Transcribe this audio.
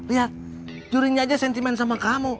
lihat curinya aja sentimen sama kamu